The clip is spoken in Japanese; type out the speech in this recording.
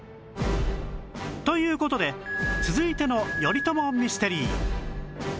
という事で続いての頼朝ミステリー